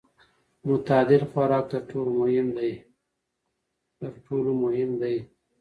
متعادل خوراک تر ټولو مهم دی.